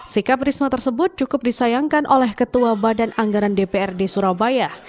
sikap risma tersebut cukup disayangkan oleh ketua badan anggaran dprd surabaya